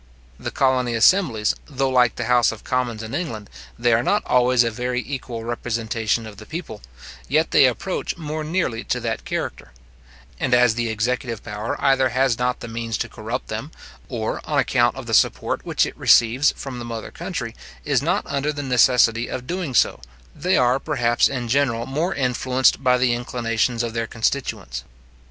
The colony assemblies, though, like the house of commons in England, they are not always a very equal representation of the people, yet they approach more nearly to that character; and as the executive power either has not the means to corrupt them, or, on account of the support which it receives from the mother country, is not under the necessity of doing so, they are, perhaps, in general more influenced by the inclinations of their constituents.